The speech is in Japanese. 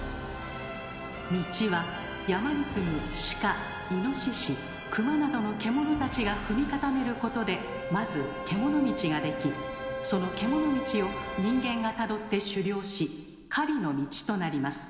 道は山に住むシカイノシシクマなどの獣たちが踏み固めることでまず獣道ができその獣道を人間がたどって狩猟し狩りの道となります。